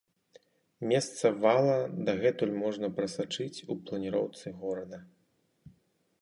Месца вала дагэтуль можна прасачыць у планіроўцы горада.